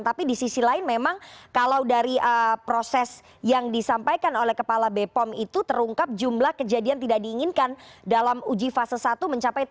tapi di sisi lain memang kalau dari proses yang disampaikan oleh kepala b pom itu terungkap jumlah kejadian tidak diinginkan dalam uji fase satu mencapai tujuh puluh satu delapan